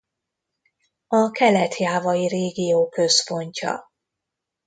A Kelet-Jávai régió központja.